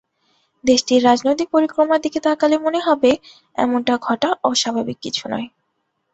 দেশটির রাজনৈতিক পরিক্রমার দিকে তাকালে মনে হবে, এমনটা ঘটা অস্বাভাবিক কিছু নয়।